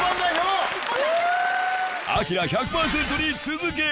アキラ１００％に続け！